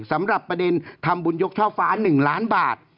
สำหรับประเด็นทำบุญยกช่อฟ้า๑ล้านบาท